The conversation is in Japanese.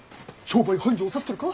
商売繁盛させてるか？